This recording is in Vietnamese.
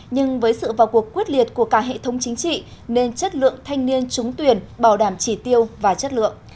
nhưng với sự vào cuộc quyết liệt của cả hệ thống chính trị nên chất lượng thanh niên trúng tuyển bảo đảm chỉ tiêu và chất lượng